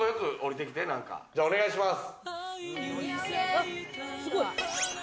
お願いします。